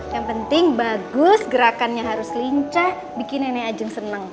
yang penting bagus gerakannya harus lincah bikin nenek ajeng senang